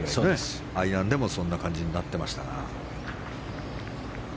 アイアンでもそんな感じになってましたが。